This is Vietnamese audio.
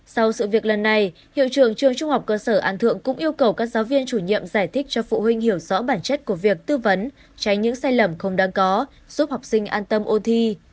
sau sự việc lần này hiệu trường trường trung học cơ sở an thượng cũng yêu cầu các giáo viên chủ nhiệm giải thích cho phụ huynh hiểu rõ bản chất của việc tư vấn tránh những sai lầm không đáng có giúp học sinh an tâm ôn thi